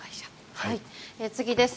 次です。